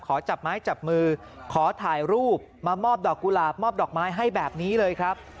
จับไม้จับมือขอถ่ายรูปมามอบดอกกุหลาบมอบดอกไม้ให้แบบนี้เลยครับ